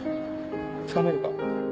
つかめるか？